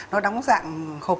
nó đóng dạng hộp